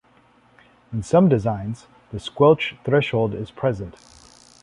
In some designs, the squelch threshold is preset.